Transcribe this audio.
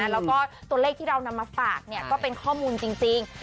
แล้วก็ตัวเลขที่เรานำมาฝากก็เป็นข้อมูลจริง